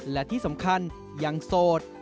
และที่สำคัญยังโสด